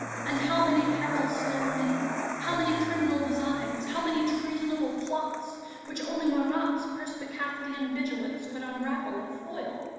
And how many perils still remained, how many criminal designs, how many treasonable plots, which only Marat's perspicacity and vigilance could unravel and foil!